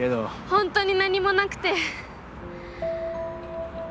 ホントに何もなくて。